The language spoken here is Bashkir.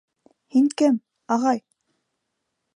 Һин кем, ағай?